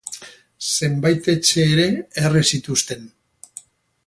Zenbait etxe ere erre zituzten.